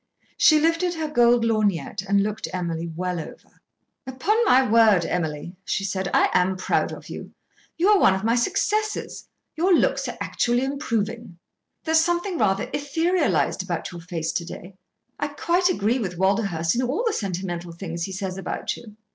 She lifted her gold lorgnette and looked Emily well over. "Upon my word, Emily," she said, "I am proud of you. You are one of my successes. Your looks are actually improving. There's something rather etherealised about your face to day. I quite agree with Walderhurst in all the sentimental things he says about you."